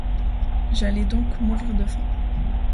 J'allais donc mourir de faim.